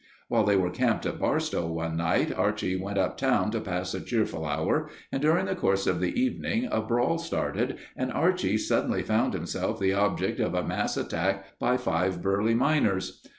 While they were camped at Barstow one night, Archie went up town to pass a cheerful hour and during the course of the evening a brawl started and Archie suddenly found himself the object of a mass attack by five burly miners.